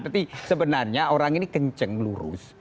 tapi sebenarnya orang ini kenceng lurus